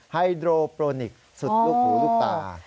ไฮโดรโปรโปรนิกสุดลูกหูลูกตา